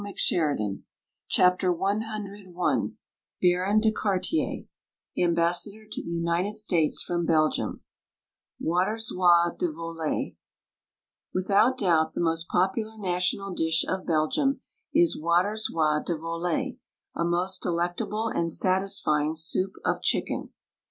WRITTEN FOR MEN BY MEN ci Baron de Carder (Ambassador to the United States from Belgium) WATERZOIE DE VOLAILLE Without doubt the most popular national dish of Bel gium is Waterzoie de Volaille — a most delectable and satisfying, soup of chicken.